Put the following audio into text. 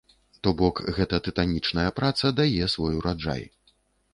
То бок, гэтая тытанічная праца дае свой ураджай.